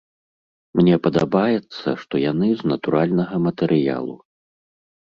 Мне падабаецца, што яны з натуральнага матэрыялу.